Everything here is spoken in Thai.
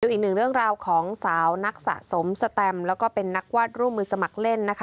อีกหนึ่งเรื่องราวของสาวนักสะสมสแตมแล้วก็เป็นนักวาดร่วมมือสมัครเล่นนะคะ